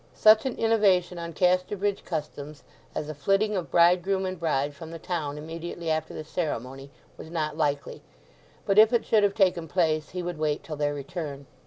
Such an innovation on Casterbridge customs as a flitting of bridegroom and bride from the town immediately after the ceremony, was not likely, but if it should have taken place he would wait till their return.